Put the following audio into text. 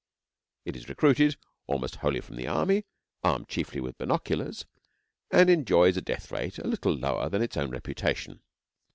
It is recruited almost wholly from the army, armed chiefly with binoculars, and enjoys a death rate a little lower than its own reputation.